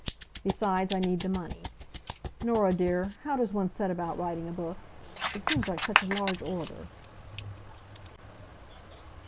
Besides, I need the money. Norah dear, how does one set about writing a book? It seems like such a large order."